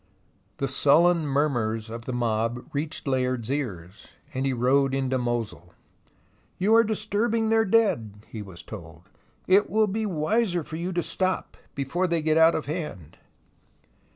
The sullen murmurs of the mob reached Layard's ears, and he rode into Mosul. " You are disturbing their dead," he was told. " It will be wiser for you to stop before they get out of hand."